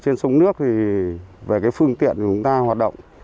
trên sông nước thì về phương tiện chúng ta hoạt động